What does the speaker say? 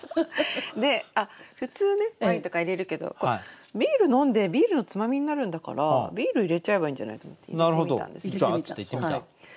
で普通ねワインとか入れるけどビール飲んでビールのつまみになるんだからビール入れちゃえばいいんじゃないのって入れてみたんですね。